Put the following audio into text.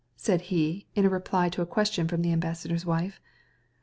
he said, in answer to a question from the ambassador's wife.